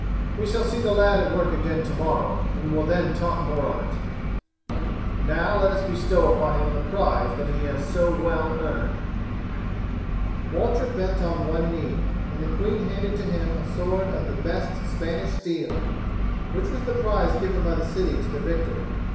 We shall see the lad at work again tomorrow and will then talk more of it. Now let us bestow upon him the prize that he has so well earned." Walter bent on one knee, and the queen handed to him a sword of the best Spanish steel, which was the prize given by the city to the victor.